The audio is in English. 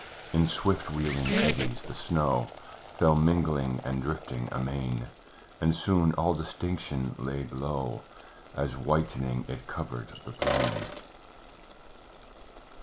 In swift wheeling eddies the snow Fell, mingling and drifting amain, And soon all distinction laid low, As whitening it covered the plain.